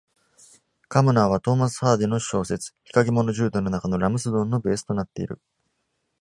カムナーは、トーマス・ハーディの小説『日陰者ジュード』の中のラムスドンのベースとなっている。